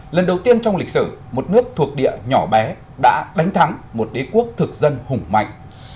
lần đầu tiên trong lịch sử một nước thuộc địa nhỏ bé đã đánh thắng một đế quốc thực dân hùng mạnh